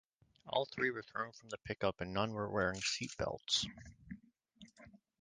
All three were thrown from the pickup and none were wearing seatbelts.